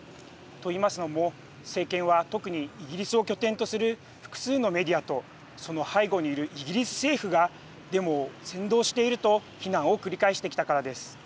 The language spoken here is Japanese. と言いますのも政権は特にイギリスを拠点とする複数のメディアとその背後にいるイギリス政府がデモを扇動していると非難を繰り返してきたからです。